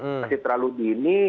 masih terlalu dini